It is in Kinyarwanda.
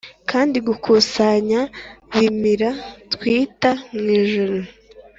kandi gukusanya bimira twitter mwijuru.